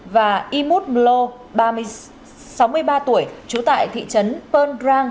và y mút mô sáu mươi ba tuổi trú tại thị trấn pơn rang